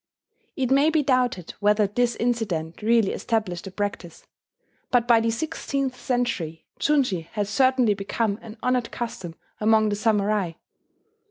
It may be doubted whether this incident really established the practice. But by the sixteenth century junshi had certainly become an honoured custom among the samurai.